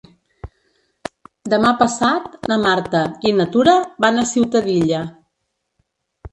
Demà passat na Marta i na Tura van a Ciutadilla.